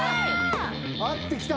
合ってきた。